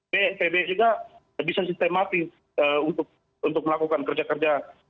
bnpw juga bisa sistemati untuk melakukan kerja kerja